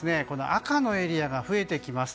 赤のエリアが増えてきます。